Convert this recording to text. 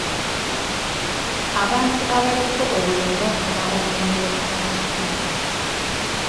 Abantu abaliko obulemu bafuna obuyambi okuva mu kitundu.